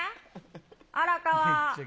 荒川。